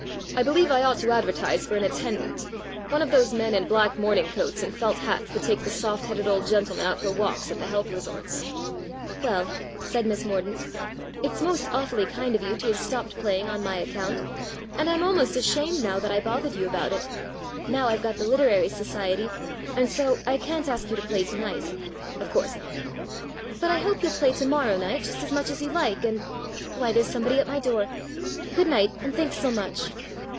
I believe I ought to advertise for an attend ant one of those men in black morning coats and felt hats that take the soft headed old gentle men out for walks at the health resorts." 176 STORIES IN GREY "Well," said Miss Mordaunt, "it's most awfully kind of you to have stopped playing on my account, and I'm almost ashamed now that I bothered you about it. Now I've got the literary society, and so I can't ask you to play to night." " Of course not." " But I hope you'll play to morrow night just as much as you like, and why, there's somebody at my door. Good night, and thanks so much."